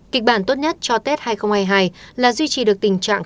kịch bản tốt nhất cho tết hai nghìn hai mươi hai là duy trì được tình trạng